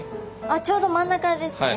あっちょうど真ん中ですね。